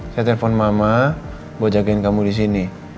saya telepon mama buat jagain kamu disini